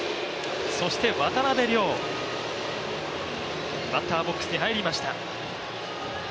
そして渡邉諒、バッターボックスに入りました。